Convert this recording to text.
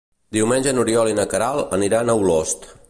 Diumenge n'Oriol i na Queralt aniran a Olost.